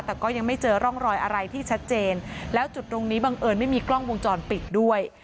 แต่ก็ยังไม่เจอร่องรอยอะไรที่ชัดเจนแล้วจุดตรงนี้บังเอิญไม่มีกล้องวงจรปิดด้วย